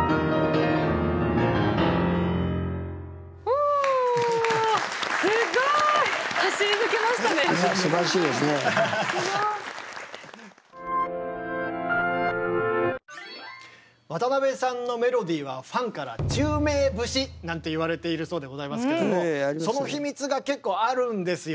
おぉすごい！渡辺さんのメロディーはファンからなんて言われているそうでございますけどもその秘密が結構あるんですよね。